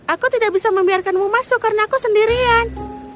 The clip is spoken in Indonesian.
aku tidak bisa membiarkanmu masuk karena aku sendirian